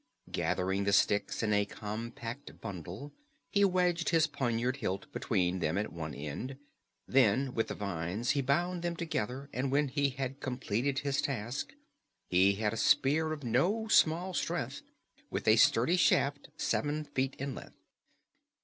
Gathering the sticks in a compact bundle, he wedged his poniard hilt between them at one end. Then with the vines he bound them together, and when he had completed his task, he had a spear of no small strength, with a sturdy shaft seven feet in length.